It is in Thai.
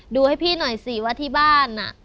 ดูให้พี่หน่อยสิว่าที่บ้าน